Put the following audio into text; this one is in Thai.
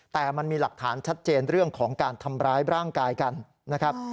แต่มันมีหลักฐานชัดเจนเรื่องของการทำร้ายร่างกายกันนะครับ